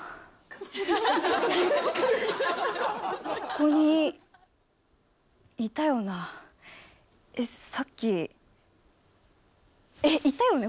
ここにいたよなえっさっきえっいたよね